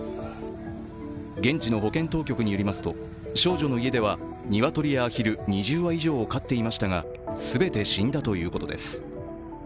現地の保健当局によりますと、少女の家では鶏やアヒル２０羽以上を飼っていましたが、全て死んだということです